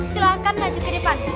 silahkan maju ke depan